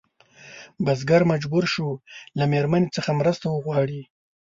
بزګر مجبور شو له مېرمنې څخه مرسته وغواړي.